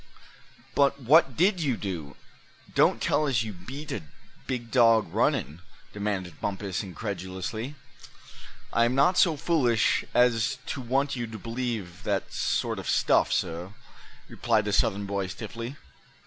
"But what did you do; don't tell us you beat a big dog runnin'?" demanded Bumpus, incredulously. "I am not so foolish as to want you to believe that sort of stuff, suh," replied the Southern boy, stiffly.